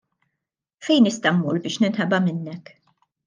Fejn nista' mmur biex ninħeba minnek?